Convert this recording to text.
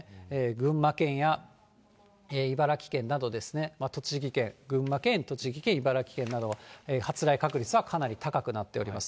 群馬県や茨城県などですね、栃木県、群馬県、栃木県、茨城県など発雷確率はかなり高くなっております。